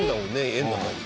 画の中に。